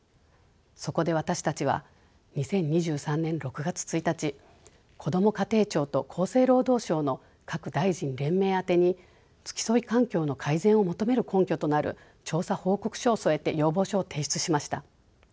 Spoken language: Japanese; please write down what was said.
そこで私たちは２０２３年６月１日こども家庭庁と厚生労働省の各大臣連名宛てに付き添い環境の改善を求める根拠となる調査報告書を添えて要望書を提出しました。